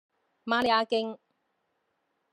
瑪利亞徑